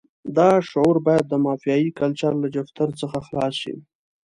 دا شعور باید د مافیایي کلچر له جفتر څخه خلاص شي.